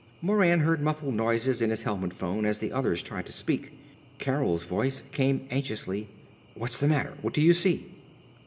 Moran heard muffled noises in his helmet phone as the others tried to speak. Carol's voice came anxiously; "_What's the matter? What do you see?